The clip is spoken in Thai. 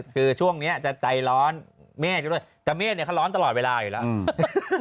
คือช่วงนี้จะใจร้อนเมฆอยู่ด้วยแต่เมฆเนี่ยเขาร้อนตลอดเวลาอยู่แล้ว